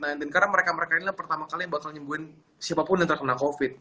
karena mereka mereka inilah pertama kali yang bakal nyembuhin siapapun yang terkena covid